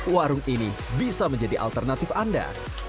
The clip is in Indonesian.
warung ini bisa menjadi alternatif anda